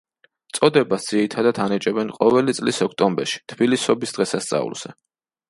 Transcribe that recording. წოდებას ძირითადად ანიჭებენ ყოველი წლის ოქტომბერში „თბილისობის“ დღესასწაულზე.